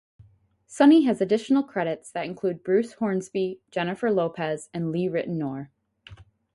Sonny has additional credits that include Bruce Hornsby, Jennifer Lopez, and Lee Ritenour.